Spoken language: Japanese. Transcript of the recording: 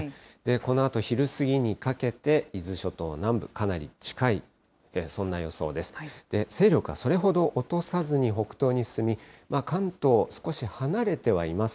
このあと昼過ぎにかけて、伊豆諸島南部、かなり近い、そんな予想です。